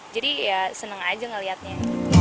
jadi ya seneng aja ngeliatnya